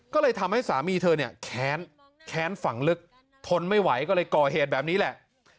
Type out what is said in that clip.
ก็เลยทำให้สามีเธอเนี่ยแค้นแค้นฝั่งลึกทนไม่ไหวก็เลยก่อเหตุแบบนี้แหละ